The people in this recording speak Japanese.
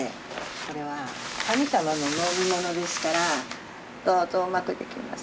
これは神様の飲み物ですからどうぞうまくできますように。